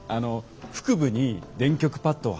腹部に電極パッドを貼って。